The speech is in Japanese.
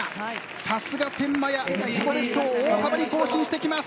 さすが天満屋、自己ベストを大幅に更新してきます。